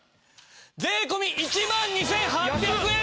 税込１万２８００円！